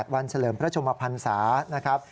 ๒๘วันเฉลิมพระชมพันธ์ศาสตร์นะครับ